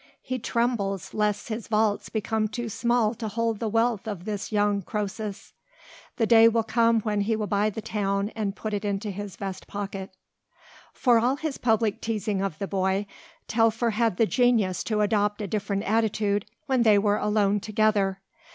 He trembles lest his vaults become too small to hold the wealth of this young Croesus. The day will come when he will buy the town and put it into his vest pocket." For all his public teasing of the boy Telfer had the genius to adopt a different attitude when they were alone together.